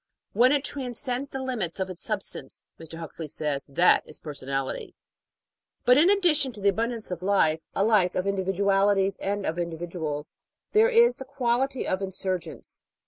When it transcends the limits of its substance, Mr. Huxley says, that is personality. But in addition to the abundance of life alike of individu alities and of individuals there is the quality of insurgence.